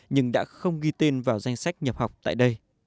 nhưng đã không ghi tên vào danh sách nhập học tại đây